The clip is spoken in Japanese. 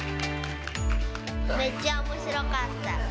めっちゃおもしろかった。